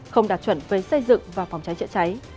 không đạt chuẩn về xây dựng và phòng cháy chữa cháy